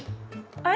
あれ？